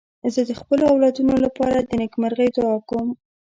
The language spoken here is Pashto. زه د خپلو اولادونو لپاره د نېکمرغۍ دعا کوم.